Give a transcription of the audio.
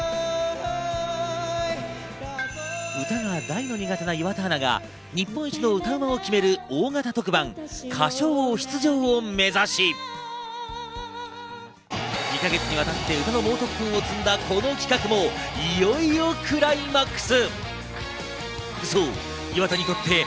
歌が大の苦手な岩田アナが日本一の歌の大型特番『歌唱王』出場を目指し、２か月にわたって歌の猛特訓をつんだこの企画もいよいよクライマックス。